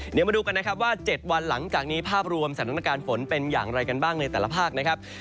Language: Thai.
เดี๋ยวมาดูกันนะครับว่า๗วันหลังจากนี้ภาพรวมสถานการณ์ฝนเป็นอย่างไรกันบ้างในแต่ละภาคนะครับ